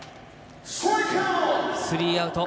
スリーアウト。